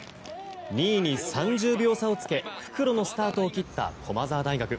２位に３０秒差をつけ復路のスタートを切った駒澤大学。